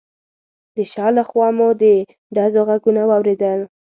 د شا له خوا مو د ډزو غږونه واورېدل.